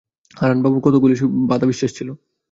হারানবাবুর কতকগুলি বাঁধা বিশ্বাস ছিল।